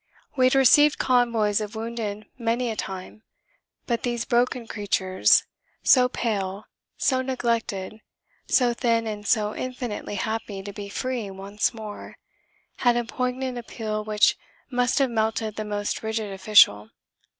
We had received convoys of wounded many a time, but these broken creatures, so pale, so neglected, so thin and so infinitely happy to be free once more, had a poignant appeal which must have melted the most rigid official.